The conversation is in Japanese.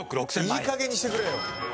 いい加減にしてくれよ。